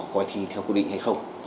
quay thi theo quy định hay không